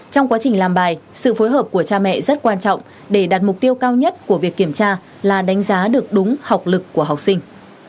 trong quá trình làm bài sự phối hợp của cha mẹ rất quan trọng để đạt mục tiêu cao nhất của việc kiểm tra là đánh giá được đúng học lực của học sinh